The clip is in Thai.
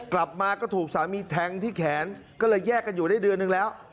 กลับมาก็ถูกสามีแทงที่แขนก็เลยแยกกันอยู่ได้เดือนนึงแล้ว